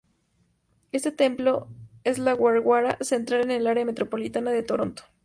Este templo, es la gurdwara central en el área metropolitana de Toronto.